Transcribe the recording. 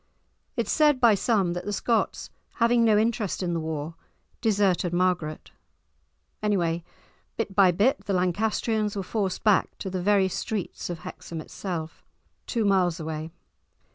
It is said by some that the Scots, having no interest in the war, deserted Margaret; anyway, bit by bit the Lancastrians were forced back, to the very streets of Hexham itself, two miles away.